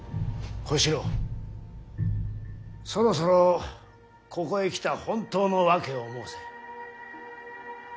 小四郎そろそろここへ来た本当の訳を申せ。